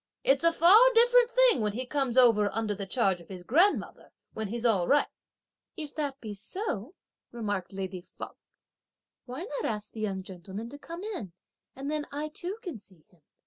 "It's a far different thing when he comes over under the charge of his grandmother, when he's all right." "If that be so," remarked lady Feng, "why not ask the young gentleman to come in, and then I too can see him.